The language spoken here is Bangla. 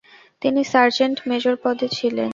তিনি সার্জেন্ট মেজর পদে ছিলেন।